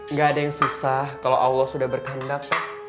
nggak ada yang susah kalau allah sudah berkehendak